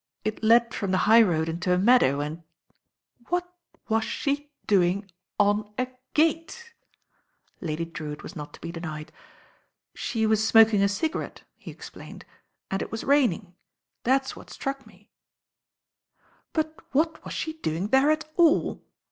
"It led from the high road into a meadow and " "What — y^zs — she — doing — on — a — ^gate ?" Lady Drewitt was not to be denied. "She was smoking a cigarette," he explained, "and it was raining. That's what struck me " "But what was she doing there at all?"